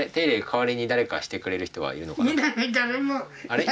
代わりに誰かしてくれる人はいるのかな？